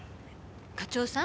課長さん？